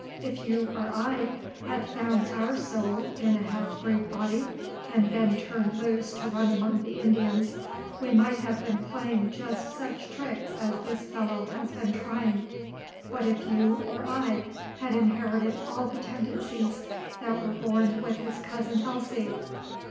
If you or I had found our soul in a half breed body; and been turned loose to run among the Indians, we might have been playing just such tricks as this fellow has been trying. What if you or I had inherited all the tendencies that were born with his cousin Elsie?"